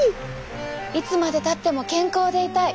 いつまでたっても健康でいたい。